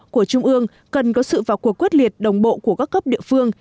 của trung ương cần có sự vào cuộc quyết liệt đồng bộ của các cấp địa phương